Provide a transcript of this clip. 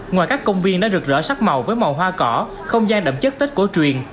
ngoài các công viên đã rực rỡ sắc màu với màu hoa cỏ không gian đậm chất tết cổ truyền